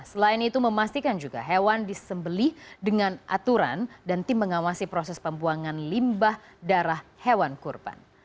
selain itu memastikan juga hewan disembeli dengan aturan dan tim mengawasi proses pembuangan limbah darah hewan kurban